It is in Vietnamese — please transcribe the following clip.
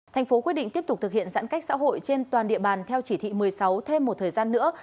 thành phố quyết định tiếp tục thực hiện giãn cách xã hội trên toàn địa bàn theo chỉ thị một mươi sáu thêm một thời gian nữa